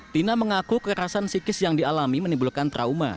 tina mengaku kekerasan psikis yang dialami menimbulkan trauma